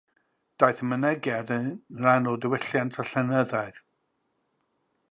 Daeth y mynegiad yn rhan o ddiwylliant a llenyddiaeth.